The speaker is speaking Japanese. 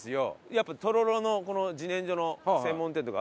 やっぱとろろの自然薯の専門店とか。